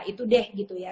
itu deh gitu ya